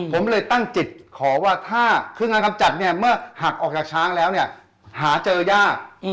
ผมเลยตั้งจิตขอว่าถ้าเครื่องงานกำจัดเนี่ยเมื่อหักออกจากช้างแล้วเนี่ยหาเจอยาก